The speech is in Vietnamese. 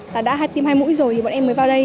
là đã hai tim hai mũi rồi thì bọn em mới vào đây